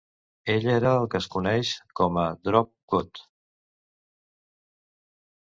Ella era el que es coneix com a "Drop-Gut".